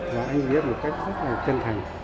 và anh viết một cách rất là chân thành